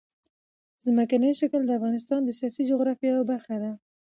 ځمکنی شکل د افغانستان د سیاسي جغرافیه یوه مهمه برخه ده.